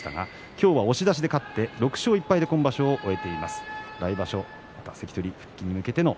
今日は押し出しで勝ちました６勝１敗で今場所を終えています。